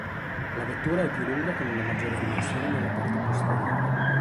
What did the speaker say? La vettura è più lunga con una maggiore dimensione nella parte posteriore.